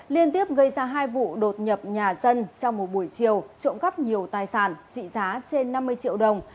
liên tiếp gây ra hai vụ đột nhập nhà dân trong một buổi chiều trộm cắp nhiều tài sản trị giá trên năm mươi triệu đồng